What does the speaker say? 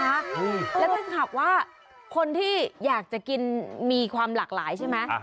แล้วถ้าหากว่าคนที่อยากจะกินมีความหลากหลายใช่ไหม